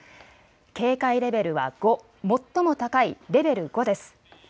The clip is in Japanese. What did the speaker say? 警戒レベルは５、最も高いレベル５です。